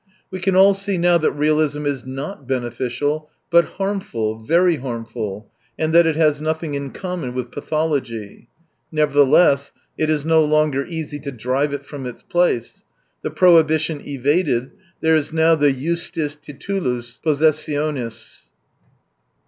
We can all see now that realisin is not beneficial, but harm ful, very harmful, and that it has nothing in common with pathology. Nevertheless, it is no longer easy to drive it from its place. The prohibition evaded, there is now the Justus titulus possessionis.